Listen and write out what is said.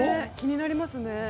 気になりますね。